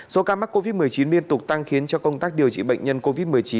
số ca mắc covid một mươi chín liên tục tăng khiến cho công tác điều trị bệnh nhân covid một mươi chín